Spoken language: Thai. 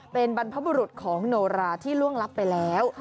เป็นบรรพบุรุษของโนราที่ล่วงลับไปแล้ว